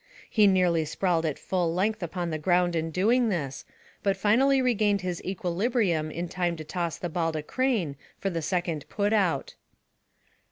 He nearly sprawled at full length upon the ground in doing this, but finally regained his equilibrium in time to toss the ball to Crane for the second put out.